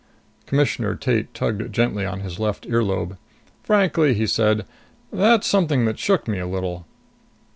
Commissioner Tate tugged gently at his left ear lobe. "Frankly," he said, "that's something that shook me a little."